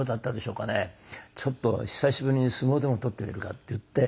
ちょっと久しぶりに相撲でも取ってみるかっていって。